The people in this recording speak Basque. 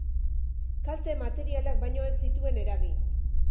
Kalte materialak baino ez zituen eragin.